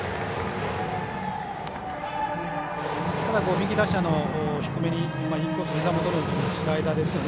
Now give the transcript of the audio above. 右打者の低めにインコース、ひざ元に落ちるスライダーですよね。